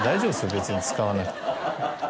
別に使わなくて。